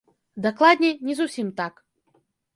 Дакладней, не зусім так.